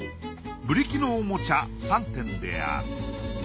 ブリキのおもちゃ３点である。